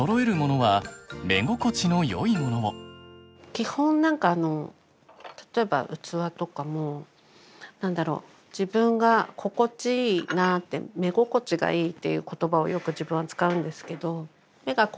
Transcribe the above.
基本何か例えば器とかも何だろう自分が心地いいなって「目心地がいい」っていう言葉をよく自分は使うんですけど。